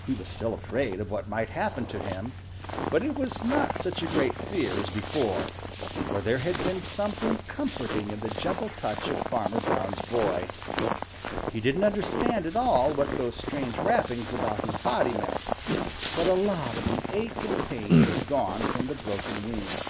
He was still afraid of what might happen to him, but it was not such a great fear as before, for there had been something comforting in the gentle touch of Farmer Brown's boy. He didn't understand at all what those strange wrappings about his body meant, but a lot of the ache and pain had gone from the broken wing.